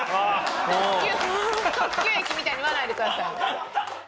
特急駅みたいに言わないでください。